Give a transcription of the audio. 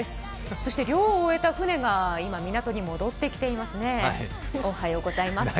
そして漁を終えた船が今、港に戻ってきていますね。